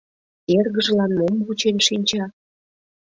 Эргыжлан мом вучен шинча!..